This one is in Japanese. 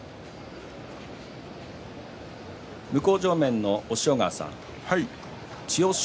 向正面の押尾川さん、千代翔